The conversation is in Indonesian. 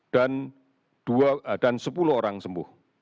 dan sepuluh orang sembuh